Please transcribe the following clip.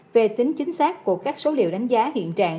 về tính chính xác của các số liệu đánh giá hiện trạng